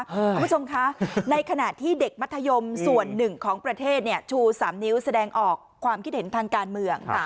คุณผู้ชมคะในขณะที่เด็กมัธยมส่วนหนึ่งของประเทศชู๓นิ้วแสดงออกความคิดเห็นทางการเมือง